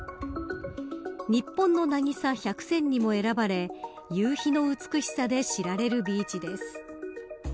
日本の渚１００選にも選ばれ夕日の美しさで知られるビーチです。